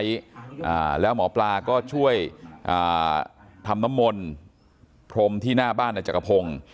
อ่าแล้วหมอปลาก็ช่วยอ่าทำน้ำมนต์พรมที่หน้าบ้านในจักรพงศ์